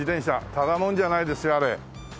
ただもんじゃないですよあれ。